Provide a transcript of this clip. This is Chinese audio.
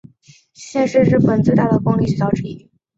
现是日本最大的公立大学之一。